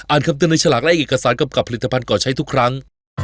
คำเตือนในฉลากและเอกสารกำกับผลิตภัณฑ์ก่อใช้ทุกครั้ง